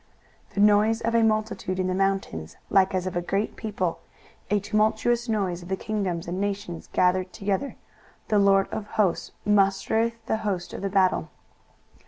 23:013:004 The noise of a multitude in the mountains, like as of a great people; a tumultuous noise of the kingdoms of nations gathered together: the LORD of hosts mustereth the host of the battle.